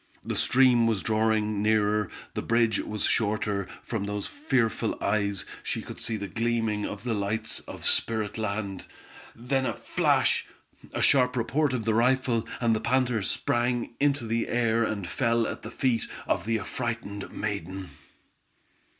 The stream was drawing nearer, the bridge was shorter, from those fearful eyes, she could see the gleaming of the lights of spirit land, then a flash! a sharp report of the rifle, and the panther sprang into the air, and fell at the feet of the affrighted maiden!